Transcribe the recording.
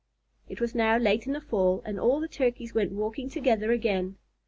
It was now late in the fall, and all the Turkeys went walking together again.